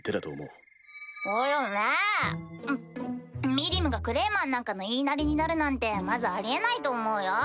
ミリムがクレイマンなんかの言いなりになるなんてまずあり得ないと思うよ。